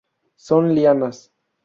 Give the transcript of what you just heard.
Son lianas.